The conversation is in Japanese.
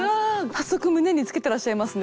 早速胸につけてらっしゃいますね。